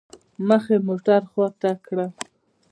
مخ مې موټر خوا ته كړ.